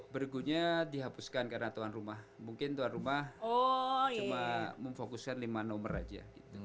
berikutnya dihapuskan karena tuan rumah mungkin tuan rumah cuma memfokuskan lima nomor aja